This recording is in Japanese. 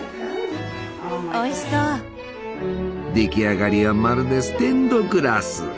出来上がりはまるでステンドグラス！